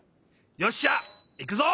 よっしゃ！いくぞ！